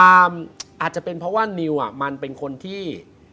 อาจจะเป็นเพราะว่านิวมันเป็นคนที่